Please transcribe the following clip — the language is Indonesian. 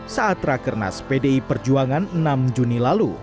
saat rakernas pdi perjuangan enam juni lalu